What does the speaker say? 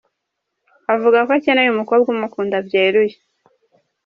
Avuga ko akeneye umukobwa umukunda byeruye.